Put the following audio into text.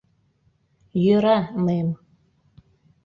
— Йӧра, мэм.